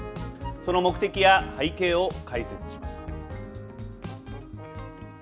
その目的や背景を解説します。